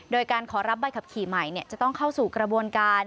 โดยการขอรับใบขับขี่ใหม่จะต้องเข้าสู่กระบวนการ